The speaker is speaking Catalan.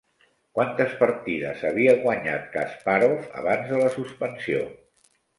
Quantes partides havia guanyat Kaspàrov abans de la suspensió?